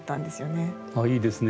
いいですね。